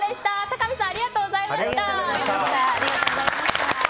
貴美さんありがとうございました。